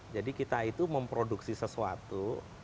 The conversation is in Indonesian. jadi kita itu memproduksi sesuatu